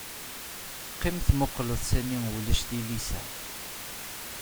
Qqim tmuqleḍ sani ulac tilisa.